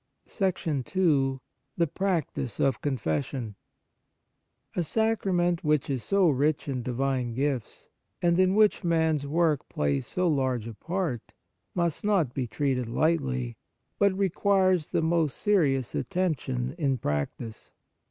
II The Practice of Confession A sacrament which is so rich in divine gifts, and in which man s work plays so large a part, must not be treated lightly, but requires the most serious attention in practice.